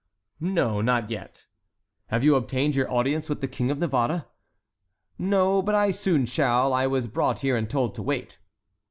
"No, not yet. Have you obtained your audience with the King of Navarre?" "No, but I soon shall. I was brought here and told to wait."